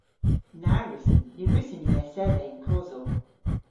Na wrussyn. Ny wrussyn ni esedha yn kosel.